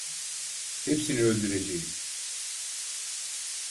Hepsini öldüreceğim.